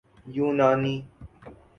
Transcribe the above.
یونانی